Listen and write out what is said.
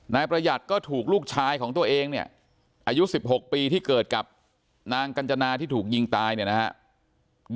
นายประหยัดก็ถูกลูกชายของตัวเองเนี่ยอายุ๑๖ปีที่เกิดกับนางกัญจนาที่ถูกยิงตายเนี่ยนะครับ